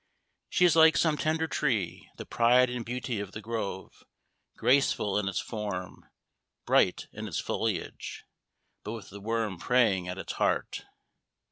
She is like some tender tree, the pride and beauty of the grove; graceful in its form, bright in its foliage, but with the worm preying at its heart.